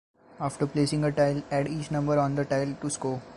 After placing a tile, add each number on the tile to score.